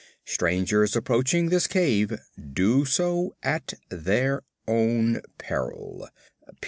STRANGERS APPROACHING THIS CAVE DO SO AT THEIR OWN PERIL!